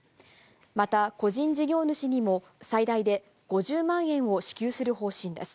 また、個人事業主にも最大で５０万円を支給する方針です。